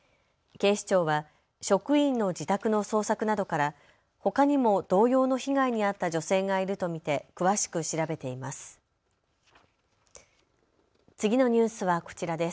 警視庁は職員の自宅の捜索などから、ほかにも同様の被害に遭った女性がいると見て詳しく調べています。